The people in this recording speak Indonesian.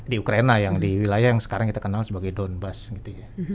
di ukraina yang di wilayah yang sekarang kita kenal sebagai donbass gitu ya